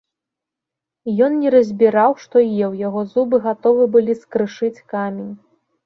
Ён не разбіраў, што еў, яго зубы гатовы былі скрышыць камень.